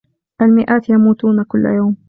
المئات يموتون كل يوم.